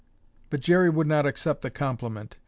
But Jerry would not accept the compliment.